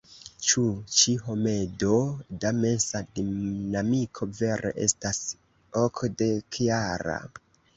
Ĉu ĉi homedo da mensa dinamiko vere estas okdekjara?